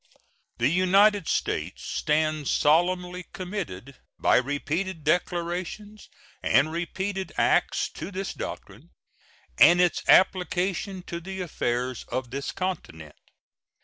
The United States stand solemnly committed by repeated declarations and repeated acts to this doctrine, and its application to the affairs of this continent.